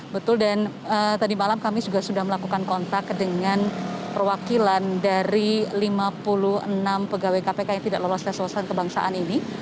betul dan tadi malam kami juga sudah melakukan kontak dengan perwakilan dari lima puluh enam pegawai kpk yang tidak lolos tes wawasan kebangsaan ini